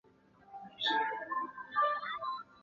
埃斯皮拉。